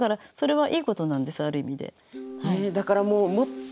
はい。